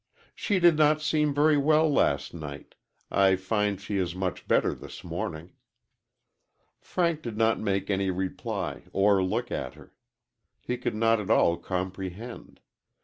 "She did not seem very well last night. I find she is much better this morning." Frank did not make any reply, or look at her. He could not at all comprehend.